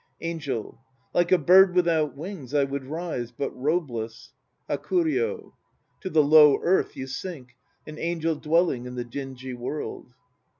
ANGEL. Like a bird without wings, I would rise, but robeless HAKURYO. To the low earth you sink, an angel dwelling In the dingy world.